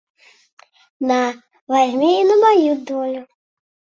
На, вазьмі і на маю долю!